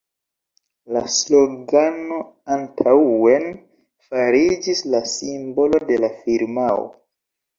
La slogano «Antaŭen!» fariĝis la simbolo de la firmao.